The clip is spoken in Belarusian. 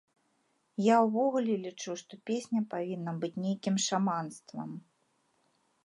Я ўвогуле лічу, што песня павінна быць нейкім шаманствам.